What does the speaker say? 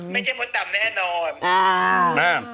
ไม่ใช่มดดำแน่นอน